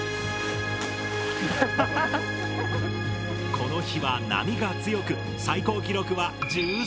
この日は波が強く最高記録は１３回。